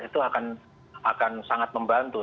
itu akan sangat membantu